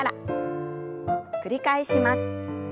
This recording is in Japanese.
繰り返します。